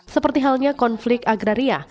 seperti halnya konflik agraria